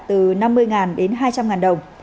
từ năm mươi đến hai trăm linh đồng